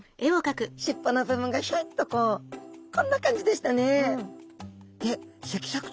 尻尾の部分がひょいっとこうこんな感じでしたね。